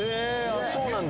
あっそうなんだ